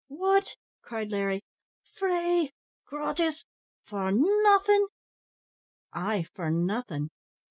"What!" cried Larry, "free, gratis, for nothin'?" "Ay, for nothing.